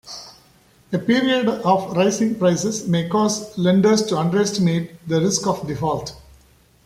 A period of rising prices may cause lenders to underestimate the risk of default.